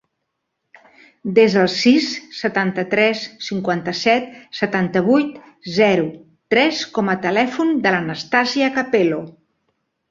Desa el sis, setanta-tres, cinquanta-set, setanta-vuit, zero, tres com a telèfon de l'Anastàsia Capelo.